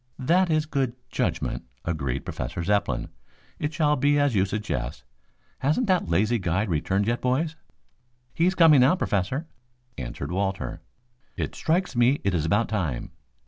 "That is good judgment," agreed Professor Zepplin. "It shall be as you suggest. Hasn't that lazy guide returned yet, boys?" "He is coming now, Professor," answered Walter. "It strikes me it is about time."